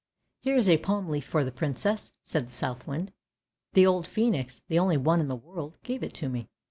" Here is a palm leaf for the Princess! " said the Southwind. " The old phcenix, the only one in the world, gave it to me.